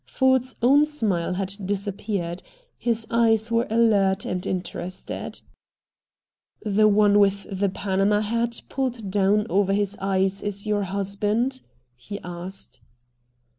Ford's own smile had disappeared. His eyes were alert and interested. "The one with the Panama hat pulled down over his eyes is your husband?" he asked.